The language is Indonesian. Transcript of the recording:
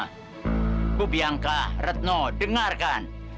ibu bianca retno dengarkan